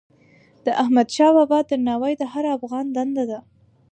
د احمدشاه بابا درناوی د هر افغان دنده ده.